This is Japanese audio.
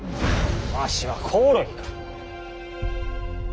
わしはコオロギか。